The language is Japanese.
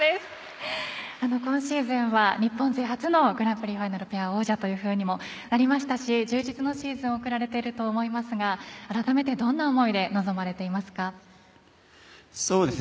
今シーズンは日本勢初のグランプリファイナルペア王者にもなりましたし充実のシーズンを送られていると思いますが改めてどんな思いで臨まれていますか。